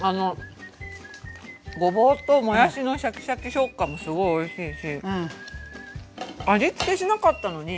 ごぼうともやしのシャキシャキ食感もすごいおいしいし味付けしなかったのに。